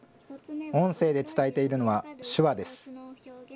音声で伝えているのは手話です。